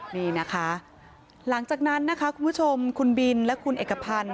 นี่นะคะหลังจากนั้นนะคะคุณผู้ชมคุณบินและคุณเอกพันธ์